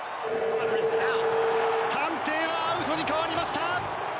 判定はアウトに変わりました。